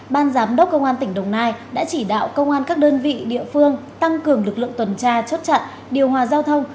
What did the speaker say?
ban giám đốc công an tỉnh đồng nai đã chỉ đạo công an các đơn vị địa phương tăng cường lực lượng tuần tra chốt chặn điều hòa giao thông